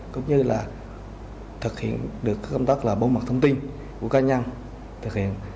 cũng như là thực hiện được các công tác là bố mặt thông tin của các nhân thực hiện